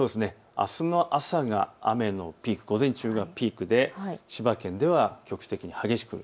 あすの朝が雨のピーク、午前中がピークで千葉県では局地的に激しく降る。